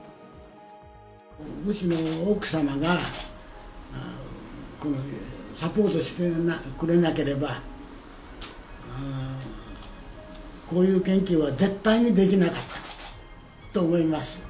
むしろ奥様がサポートしてくれなければ、こういう研究は絶対にできなかったと思います。